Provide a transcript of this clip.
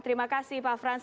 terima kasih pak frans